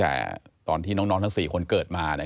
แล้วตอนนี้พลักษณ์ของฉันตาย